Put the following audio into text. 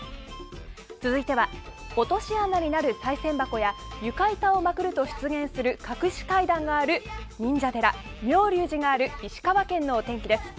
続いては落とし穴になるさい銭箱や床板をまくると出現する隠し階段がある忍者寺、妙立寺がある石川県のお天気です。